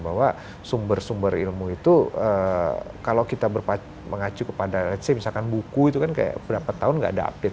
bahwa sumber sumber ilmu itu kalau kita mengacu kepada ⁇ lets ⁇ say misalkan buku itu kan kayak berapa tahun nggak ada update